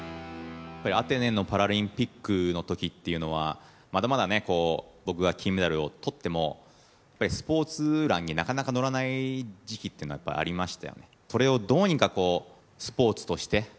アテネのパラリンピックのときっていうのはまだまだ僕が金メダルを取ってもスポーツ欄になかなか載らない時期がありました。